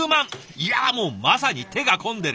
いやもうまさに手が込んでる。